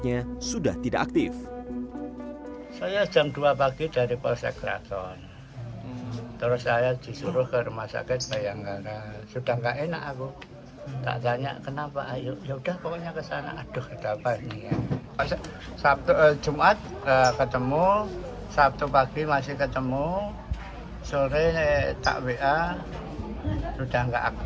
ya tetap biasa kerja